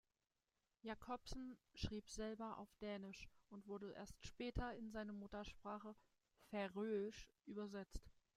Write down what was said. Jacobsen schrieb selber auf Dänisch und wurde erst später in seine Muttersprache Färöisch übersetzt.